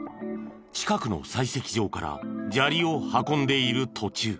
近くの採石場から砂利を運んでいる途中。